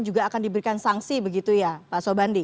juga akan diberikan sanksi begitu ya pak sobandi